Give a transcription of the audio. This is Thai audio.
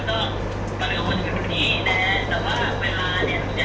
แต่ว่าถ้าผมไปบอกเขาว่าถ้าผมเข้าเข้าแล้ว